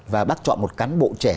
và bác chọn một cán bộ trẻ